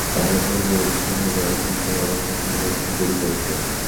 আমরা চাই, এবার অনুষ্ঠান হবে আরও সুন্দর আরও সফল এবং সুপরিকল্পিত।